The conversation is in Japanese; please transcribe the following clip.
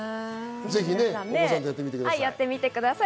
ぜひお子さんとやってみてください。